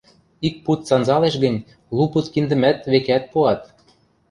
Ик пуд санзалеш гӹнь лу пуд киндӹмӓт, векӓт, пуат.